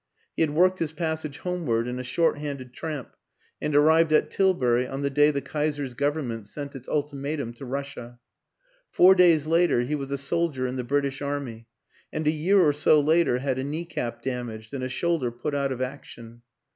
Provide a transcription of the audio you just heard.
He had worked his passage homeward in a short handed tramp and arrived at Tilbury on the day the Kaiser's government sent its ultimatum to Russia. Four days later he was a soldier in the British Army, and a year or so later had a knee cap damaged and a shoulder put out of action.